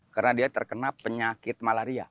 karena dia terkena penyakit malaria